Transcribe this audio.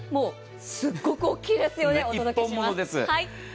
すっごく大きいですよね、お届けします。